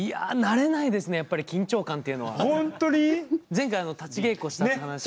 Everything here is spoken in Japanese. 前回立ち稽古したっていう話も。